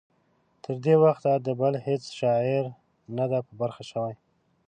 تر دې وخته د بل هیڅ شاعر نه دی په برخه شوی.